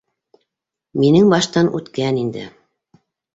Минең баштан үткән инде.